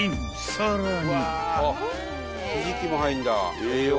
［さらに］